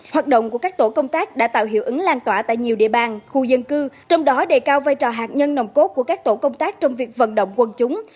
hoạt động của các tổ công tác đã tạo hiệu ứng lan tỏa tại nhiều địa bàn khu dân cư trong đó đề cao vai trò hạt nhân nồng cốt của các tổ công tác trong việc vận động quân chúng